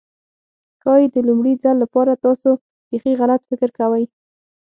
ښايي د لومړي ځل لپاره تاسو بيخي غلط فکر کوئ.